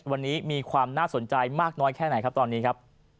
วันนี้มีความน่าสนใจมากน้อยแค่ไหนครับตอนนี้ครับ